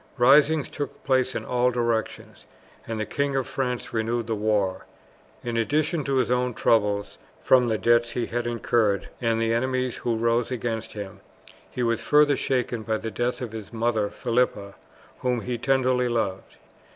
Risings took place in all directions, and the King of France renewed the war. In addition to his own troubles from the debts he had incurred, and the enemies who rose against him, he was further shaken by the death of his mother Philippa, whom he tenderly loved.